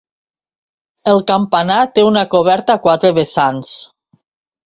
El campanar té una coberta a quatre vessants.